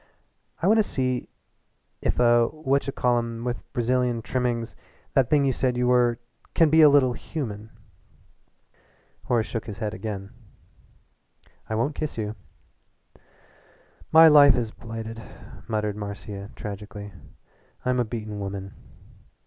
I want to see if a what ch call em with Brazilian trimmings that thing you said you were can be a little human." Horace shook his head again. "I won't kiss you." "My life is blighted," muttered Marcia tragically. "I'm a beaten woman.